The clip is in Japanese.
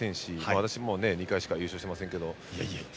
私も２回しか優勝してませんけど。